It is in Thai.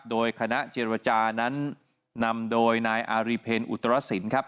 โดยคณะเจรจานั้นนำโดยนายอารีเพลอุตรสินครับ